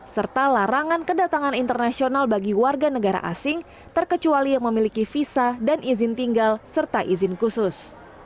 serta larangan kedatangan internasional bagi warga negara asing terkecuali yang memiliki visa dan izin tinggal serta izin khusus